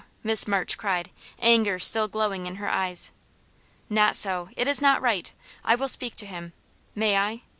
Miss March cried, anger still glowing in her eyes. "Not so it is not right. I will speak to him. May I?"